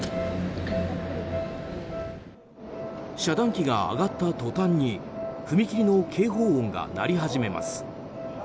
遮断機が上がったとたんに踏切の警報音が鳴り始めます。